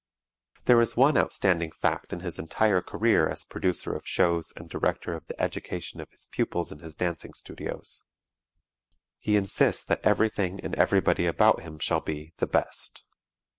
There is one outstanding fact in his entire career as producer of shows and director of the education of his pupils in his dancing studios: He insists that everything and everybody about him shall be "the best."